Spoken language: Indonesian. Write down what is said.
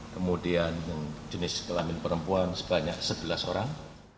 kemudian jenis kelamin perempuan sebanyak sebelas orang